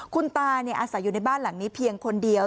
คุณตาอาศัยอยู่ในบ้านหลังนี้เพียงคนเดียว